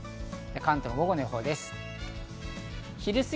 関東の午後の予報です。